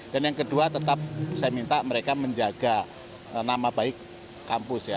dan yang kedua tetap saya minta mereka menjaga nama baik kampus ya